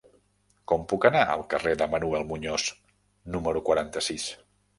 Com puc anar al carrer de Manuel Muñoz número quaranta-sis?